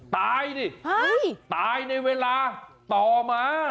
ตายดิตายในเวลาต่อมา